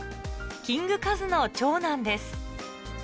キングカズの長男です